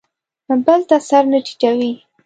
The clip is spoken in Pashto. بل ته سر نه ټیټوي.